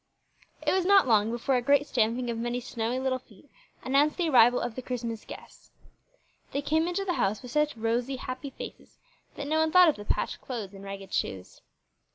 It was not long before a great stamping of many snowy little feet announced the arrival of the Christmas guests. They came into the house with such rosy, happy faces, that no one thought of the patched clothes and ragged shoes.